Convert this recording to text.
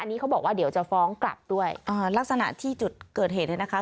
อันนี้เขาบอกว่าเดี๋ยวจะฟ้องกลับด้วยอ่าลักษณะที่จุดเกิดเหตุเนี่ยนะคะ